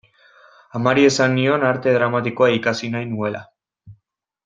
Amari esan nion Arte Dramatikoa ikasi nahi nuela.